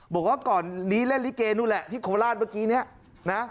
บอกว่าก่อนนี้เล่นลิเกนู่นแหละที่โคราชเมื่อกี้เนี่ยนะ